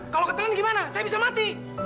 kalau ketelan gimana saya bisa mati